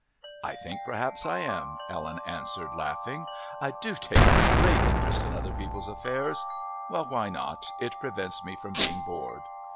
"I think perhaps I am," Ellen answered, laughing. "I do take a great interest in other people's affairs. Well, why not? It prevents me from being bored."